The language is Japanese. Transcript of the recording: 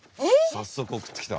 早速送ってきた。